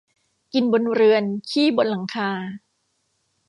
กินบนเรือนขี้บนหลังคา